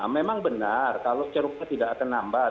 memang benar kalau ceruknya tidak akan nambah